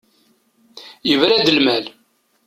Yebra-d lmal.